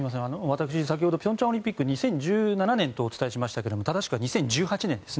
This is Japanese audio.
私、先ほど平昌オリンピックは２０１７年とお伝えしましたが正しくは２０１８年です。